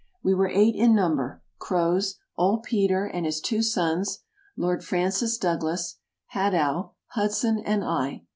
We were eight in number — Croz, old Peter and his two sons, Lord Francis Douglas, Hadow, Hudson and I.